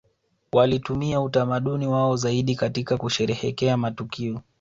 Walitumia utamaduni wao zaidi katika kusherehekea matukio